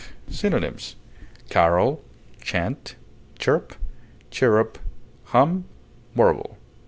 Synonyms: carol, chant, chirp, chirrup, hum, warble.